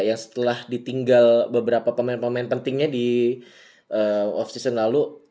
yang setelah ditinggal beberapa pemain pemain pentingnya di off season lalu